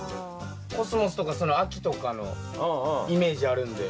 コスモスとか秋とかのイメージあるんで。